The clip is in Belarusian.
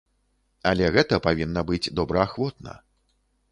Але гэта павінна быць добраахвотна.